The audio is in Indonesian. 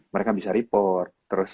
mereka bisa report terus